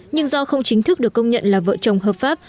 nhưng do không chính thức được công nhận là vợ chồng hợp pháp